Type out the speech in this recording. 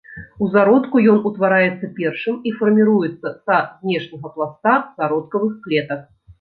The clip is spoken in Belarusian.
У зародку ён утвараецца першым і фарміруецца са знешняга пласта зародкавых клетак.